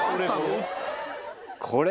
これ。